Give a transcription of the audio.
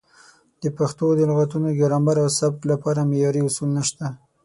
د پښتو د لغتونو، ګرامر او سبک لپاره معیاري اصول نشته.